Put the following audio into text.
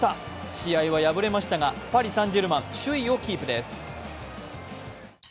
試合は敗れましたが、パリ・サン＝ジェルマン、首位をキープです。